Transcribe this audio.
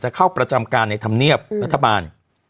เข้าประจำการในธรรมเนียบรัฐบาล